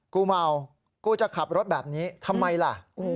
กูเมากูจะขับรถแบบนี้ทำไมล่ะ